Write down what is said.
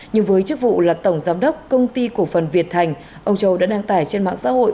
nhưng với chức vụ là tổng giám đốc công ty cổ phần việt thành ông châu đã đăng tải trên mạng xã hội